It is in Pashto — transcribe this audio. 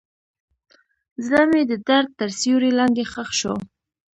زړه مې د درد تر سیوري لاندې ښخ شو.